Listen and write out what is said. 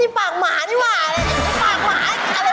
นี่ปากหมาอะไรประมาณนี้